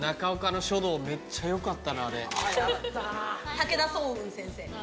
武田双雲先生。